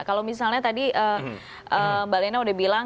kalau misalnya tadi mbak lena udah bilang